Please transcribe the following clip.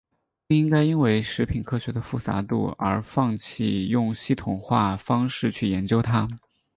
不应该因为食品科学的复杂度而放弃用系统化方式去研究它。